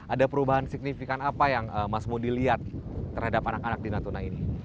ada perubahan signifikan apa yang mas moody lihat terhadap anak anak di natuna ini